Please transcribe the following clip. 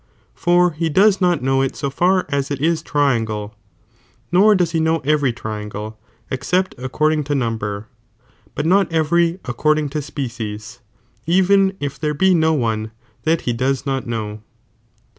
For he does not know it ao far as it is triangle, nor does he know every triangle, except according to number, but not every, according to species, even if there be no one that he does not know.'